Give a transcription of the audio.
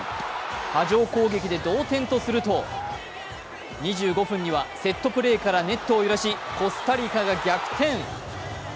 波状攻撃で同点とすると２５分にはセットプレーからネットを揺らしコスタリカが逆転。